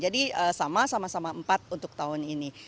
jadi sama sama sama empat untuk tahun ini